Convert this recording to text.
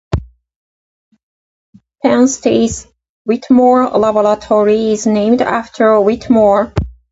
Penn State's Whitmore Laboratory is named after Whitmore.